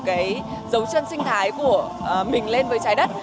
để giấu chân sinh thái của mình lên với trái đất